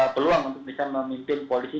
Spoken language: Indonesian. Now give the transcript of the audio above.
peluang untuk bisa memimpin koalisi